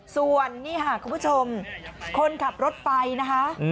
ส่วนนี่ค่ะคุณผู้ชมคนขับรถไฟนะคะ